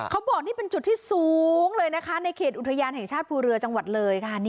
เขาบอกนี่เป็นจุดที่สูงเลยนะคะในเขตอุทยานแห่งชาติภูเรือจังหวัดเลยค่ะ